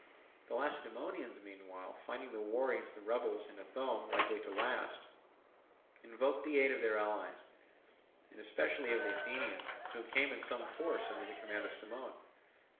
The Lacedaemonians, meanwhile, finding the war against the rebels in Ithome likely to last, invoked the aid of their allies, and especially of the Athenians, who came in some force under the command of Cimon.